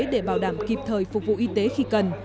để bảo đảm kịp thời phục vụ y tế khi cần